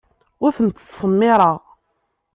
Ur tent-ttsemmiṛeɣ.